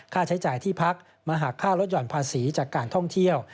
ค่าใช้จ่ายที่พักมาหักค่าลดห่อนภาษีจากการท่องเที่ยว